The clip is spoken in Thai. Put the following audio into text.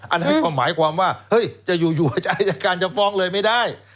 อันนั้นก็หมายความว่าเฮ้ยจะอยู่อายการจะฟ้องเลยไม่ได้